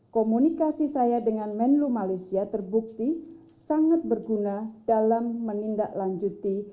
komunikasi saya dengan menlu malaysia terbukti sangat berguna dalam menindaklanjuti